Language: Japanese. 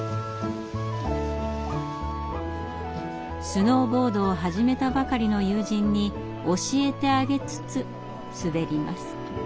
スノーボードを始めたばかりの友人に教えてあげつつ滑ります。